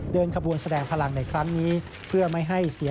เดินขบวนแสดงพลังในครั้งนี้